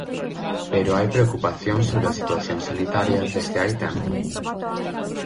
Pero hai preocupación sobre a situación sanitaria desde hai tempo.